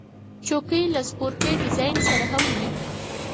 چوکۍ له سپورټي ډیزاین سره هم وي.